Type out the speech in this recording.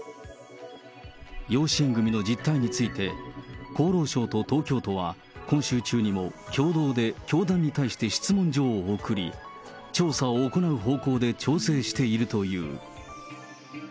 養子縁組の実態について、厚労省と東京都は、今週中にも共同で教団に対して質問状を送り、調査を行う方向で調整しているという。